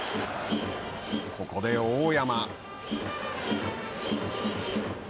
ここで大山。